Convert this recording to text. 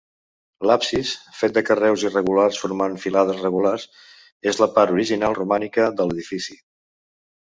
L'absis, fet de carreus irregulars formant filades regulars, és la part original romànica de l'edifici.